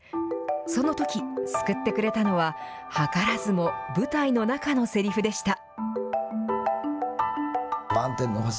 そのとき、救ってくれたのは、図らずも、舞台の中のせりふでした。